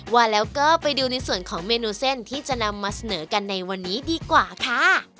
ว่าแล้วก็ไปดูในส่วนของเมนูเส้นที่จะนำมาเสนอกันในวันนี้ดีกว่าค่ะ